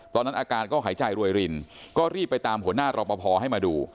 ตอนนั้นอาการก็หายใจรวยรินก็รีบไปตามหัวหน้ารอปภให้มาดู